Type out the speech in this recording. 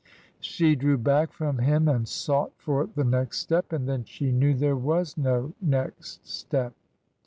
She drew back from him and sought for the next step. And then she knew there was no next step.